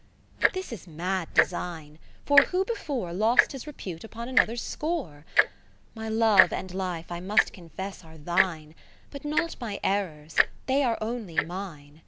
But this is mad design, for who before Lost his repute upon another's score ? My love and life I must confess are thine. But not my errors, they are only mine.